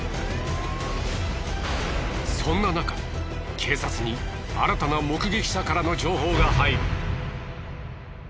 そんななか警察に新たな目撃者からの情報が入る。